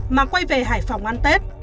mà quay về hải phòng ăn tết